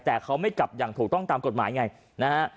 แต่เขาไม่กลับอย่างถูกต้องตามกฎหมายไงนะฮะ